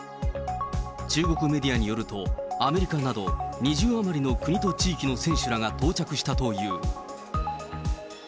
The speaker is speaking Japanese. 中国メディアによると、アメリカなど、２０余りの国と地域の選手らが到着したという。